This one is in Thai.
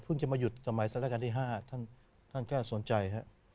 เพิ่งจะมาหยุดสมัยรัฐการณ์ที่๕ท่านค่ะสนใจ